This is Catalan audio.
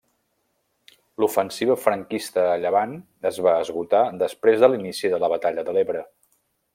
L'ofensiva franquista a Llevant es va esgotar després de l'inici de la batalla de l'Ebre.